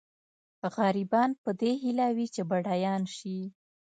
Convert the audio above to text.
غریبان په دې هیله وي چې بډایان شي.